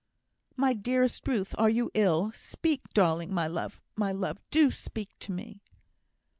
"My dearest Ruth! are you ill? Speak, darling! My love, my love, do speak to me!"